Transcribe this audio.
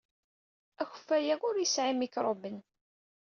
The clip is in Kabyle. Akeffay-a ur yesɛi imikṛuben.